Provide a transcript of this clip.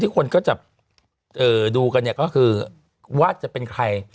คนก็จะดูกันเนี่ยก็คือว่าจะเป็นใคร